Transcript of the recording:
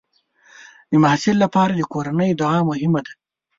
د محصل لپاره د کورنۍ دعا مهمه ده.